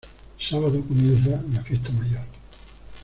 Sábado comienza la Fiesta Mayor.